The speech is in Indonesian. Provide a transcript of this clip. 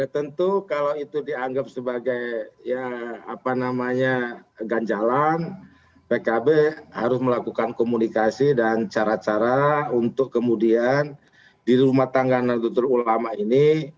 tentu kalau itu dianggap sebagai ganjalan pkb harus melakukan komunikasi dan cara cara untuk kemudian di rumah tangga nahdlatul ulama ini